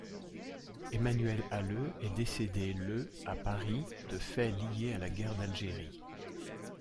Emmanuel Halleux est décédé le à Paris de faits liés à la Guerre d'Algérie.